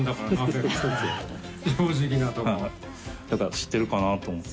知ってるかな？と思って。